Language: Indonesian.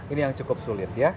ini yang cukup sulit ya